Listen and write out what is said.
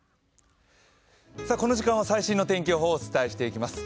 この時間は最新の天気予報をお伝えしていきます。